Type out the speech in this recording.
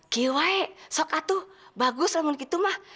kiwai sokatu bagus laman gitu mah